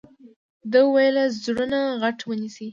ده وويل زړونه غټ ونيسئ.